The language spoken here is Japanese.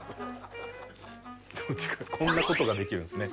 こんな事ができるんですね